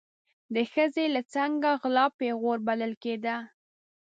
د ښځې له څنګه غلا پیغور بلل کېده.